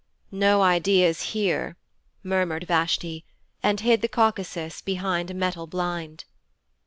'No ideas here,' murmured Vashti, and hid the Caucasus behind a metal blind.